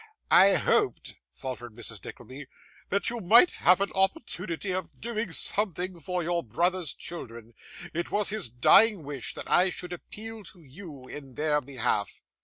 'I hoped,' faltered Mrs. Nickleby, 'that you might have an opportunity of doing something for your brother's children. It was his dying wish that I should appeal to you in their behalf.